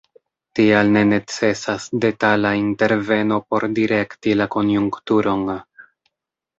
Tial ne necesas detala interveno por direkti la konjunkturon.